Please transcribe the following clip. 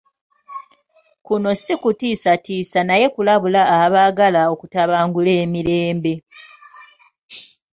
Kuno si kutiisatiisa naye kulabula abaagala okutabangula emirembe.